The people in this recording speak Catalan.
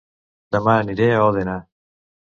Dema aniré a Òdena